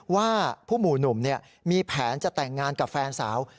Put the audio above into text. ว่าผู้หมู่หนุ่มมีแผนจะแต่งงานกับแฟนสาว